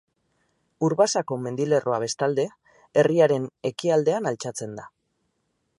Urbasako mendilerroa bestalde herriaren ekialdean altxatzen da.